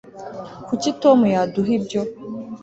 kuki tom yaduha ibyo